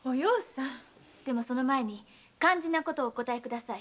その前に肝心なことをお答えください。